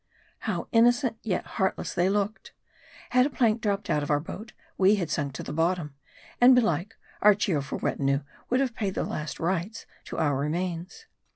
How innocent, yet heartless they looked ! Had a plank dropped out of our boat, we had sunk to the bottom ; and belike, our cheerful retinue would have paid the last rites to our remains.